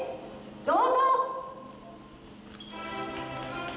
どうぞ。